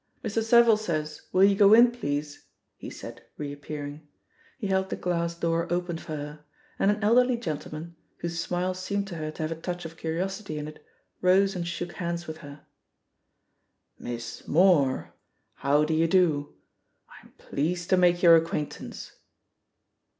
"Mr. Savile says, will you go in, please," he said, reappearing. He held the glass door open for her; and an elderly gentleman, whose smila seemed to her to have a touch of curiosity in it, rose and shook hands with her. "Miss Moore 1 How do you do? I'm pleased to make your acquaintance."